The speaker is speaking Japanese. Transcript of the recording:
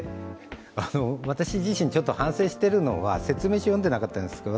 私自身、ちょっと反省しているのは説明書読んでなかったんですが